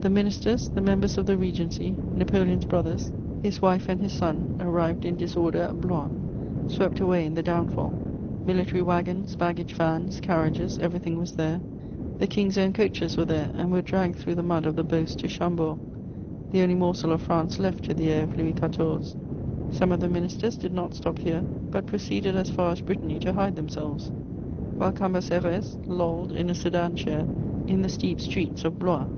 The ministers, the members of the Regency, Napoleon's brothers, his wife and his son arrived in disorder at Blois, swept away in the downfall; military waggons, baggage vans, carriages, everything was there; the King's own coaches were there and were dragged through the mud of the Beauce to Chambord, the only morsel of France left to the heir of Louis XIV. Some of the ministers did not stop here, but proceeded as far as Brittany to hide themselves, while Cambacérès lolled in a sedan chair in the steep streets of Blois.